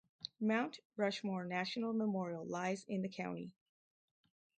Mount Rushmore National Memorial lies in the county.